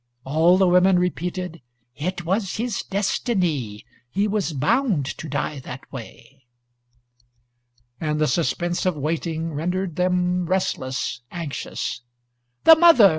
All the women repeated, "It was his destiny. He was bound to die that way." And the suspense of waiting rendered them restless, anxious. "The mother!